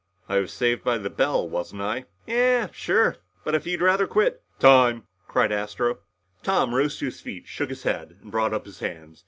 "I was saved by the bell, wasn't I?" "Yeah sure but if you'd rather quit " "Time!" cried Astro. Tom rose to his feet shook his head and brought up his hands.